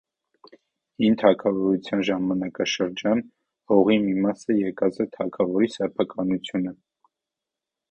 Հին թագաւորութեան ժամանակարշրջան՝ հողի մի մասը եղած է թագաւորի սեփականութիւնը։